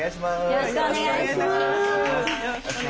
よろしくお願いします！